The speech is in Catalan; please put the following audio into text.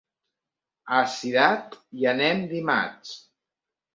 A Cirat hi anem dimarts.